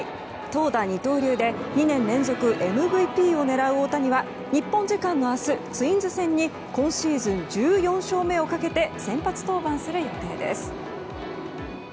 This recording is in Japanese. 投打二刀流で２年連続ＭＶＰを狙う大谷は日本時間の明日、ツインズ戦に今シーズン１４勝目をかけて先発登板する予定です。